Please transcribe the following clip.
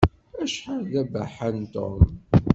Acḥal d abaḥan Tom!